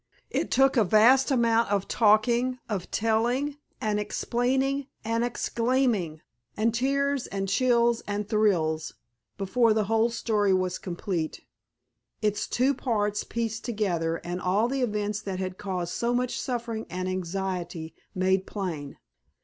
It took a vast amount of talking, of telling and explaining and exclaiming, and tears and chills and thrills, before the whole story was complete, its two parts pieced together and all the events that had caused so much suffering and anxiety made plain.